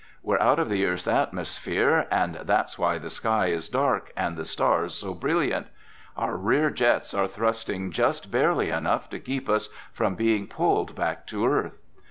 "We're out of the earth's atmosphere and that's why the sky is dark and the stars so brilliant. Our rear jets are thrusting just barely enough to keep us from being pulled back down to earth."